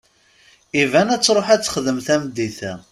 Iban ad tṛuḥ ad texdem tameddit-a.